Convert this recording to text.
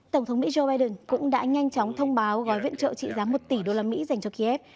tổng thống mỹ joe biden cũng đã nhanh chóng thông báo gói viện trợ trị giá một tỷ đô la mỹ dành cho kiev